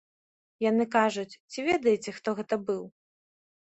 Яны кажуць, ці ведаеце, хто гэта быў?